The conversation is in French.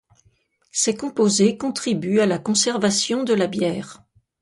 Ces composés contribuent à la conservation de la bière.